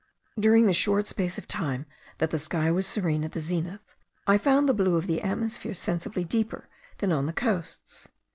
During the short space of time that the sky was serene at the zenith, I found the blue of the atmosphere sensibly deeper than on the coasts.